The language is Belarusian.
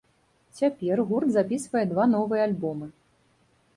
Цяпер гурт запісвае два новыя альбомы.